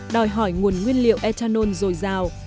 đòi hỏi nguồn nguyên liệu ethanol dồi dào